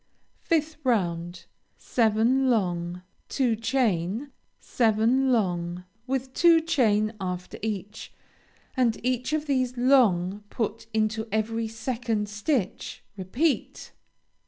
5th round Seven long, two chain, seven long with two chain after each, and each of these long put into every second stitch; repeat.